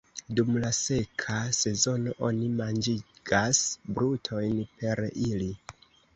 Dum la seka sezono oni manĝigas brutojn per ili.